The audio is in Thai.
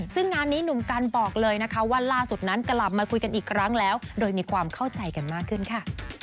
ซึ่งงานนี้หนุ่มกันบอกเลยนะคะว่าล่าสุดนั้นกลับมาคุยกันอีกครั้งแล้วโดยมีความเข้าใจกันมากขึ้นค่ะ